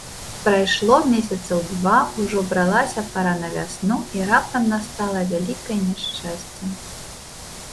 Прайшло месяцаў два, ужо бралася пара на вясну, і раптам настала вялікае няшчасце.